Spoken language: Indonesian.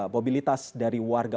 mobilitas dari warga